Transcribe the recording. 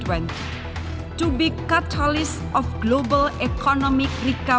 untuk menjadi katalis pemulihan ekonomi global